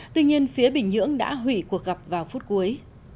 tuy nhiên phía bình nhưỡng đã hủy cuộc gặp vào phút cuối